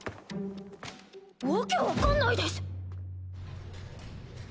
訳分かんないです。